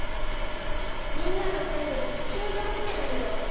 みんなが住んでる地球で起きてるんだよ？